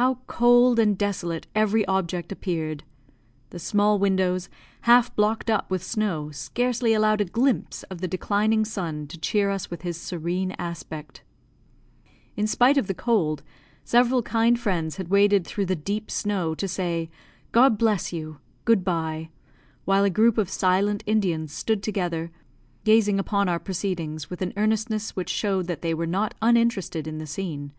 How cold and desolate every object appeared! The small windows, half blocked up with snow, scarcely allowed a glimpse of the declining sun to cheer us with his serene aspect. In spite of the cold, several kind friends had waded through the deep snow to say, "God bless you! Good bye;" while a group of silent Indians stood together, gazing upon our proceedings with an earnestness which showed that they were not uninterested in the scene.